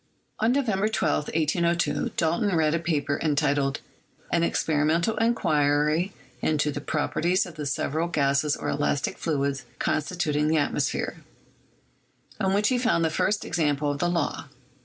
On November 12, 1802, Dalton read a paper entitled "An Experimental Enquiry into the Properties of the Several Gases or Elastic Fluids constituting the Atmos phere," in which is found the first example of the law.